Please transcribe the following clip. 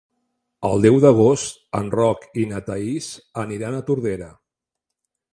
El deu d'agost en Roc i na Thaís aniran a Tordera.